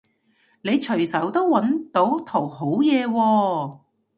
你隨手都搵到圖好嘢喎